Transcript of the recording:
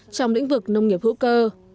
trong lĩnh vực nông nghiệp hữu cơ